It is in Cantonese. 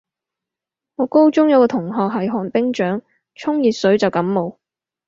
我高中有個同學係寒冰掌，沖熱水就感冒